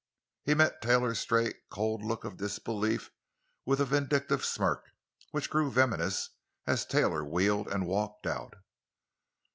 He met Taylor's straight, cold look of disbelief with a vindictive smirk, which grew venomous as Taylor wheeled and walked out.